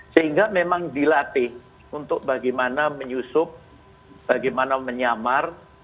sehingga memang dilatih untuk bagaimana menyusup bagaimana menyamar